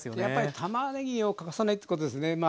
やっぱりたまねぎを欠かさないってことですね。